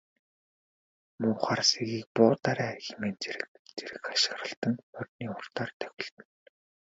Муу хар сэгийг буудаарай хэмээн зэрэг зэрэг хашхиралдан морины хурдаар давхилдана.